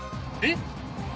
えっ？